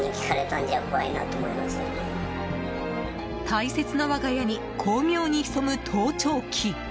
大切な我が家に巧妙に潜む盗聴器。